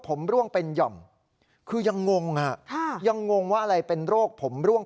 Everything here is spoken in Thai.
ผมร่วงเป็นหย่อมคือยังงงอ่ะค่ะยังงงว่าอะไรเป็นโรคผมร่วง